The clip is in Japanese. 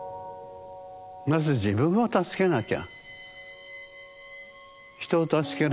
まず自分を助けなきゃ。